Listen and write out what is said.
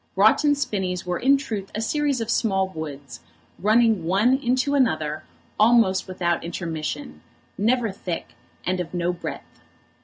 Broughton Spinnies were in truth a series of small woods, running one into another almost without intermission, never thick, and of no breadth.